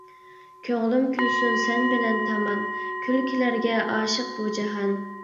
كۆڭلۈم كۈلسۇن سەن بىلەن تامان، كۈلكىلەرگە ئاشىق بۇ جاھان.